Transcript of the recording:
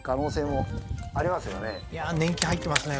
本当にいやー年季入ってますね